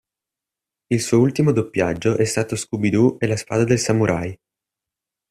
Il suo ultimo doppiaggio è stato Scooby-Doo e la spada del Samurai.